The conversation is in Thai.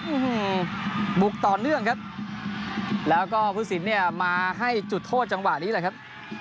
อืมบุกต่อเนื่องครับแล้วก็ผู้สินเนี่ยมาให้จุดโทษจังหวะนี้แหละครับ